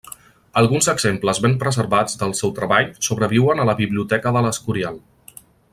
Alguns exemples ben preservats del seu treball sobreviuen a la Biblioteca de l'Escorial.